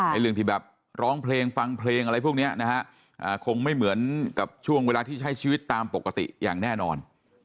เรื่องที่แบบร้องเพลงฟังเพลงอะไรพวกนี้นะฮะคงไม่เหมือนกับช่วงเวลาที่ใช้ชีวิตตามปกติอย่างแน่นอน